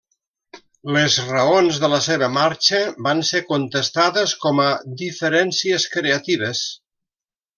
Les raons de la seva marxa van ser contestades com a 'diferències creatives'.